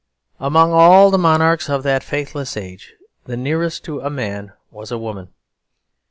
Among all the monarchs of that faithless age, the nearest to a man was a woman.